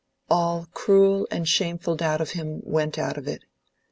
All cruel and shameful doubt of him went out of it.